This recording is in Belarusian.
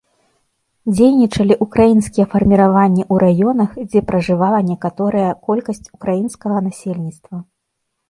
Дзейнічалі ўкраінскія фарміраванні ў раёнах, дзе пражывала некаторыя колькасць украінскага насельніцтва.